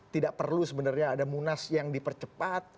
tidak perlu sebenarnya ada munas yang dipercepat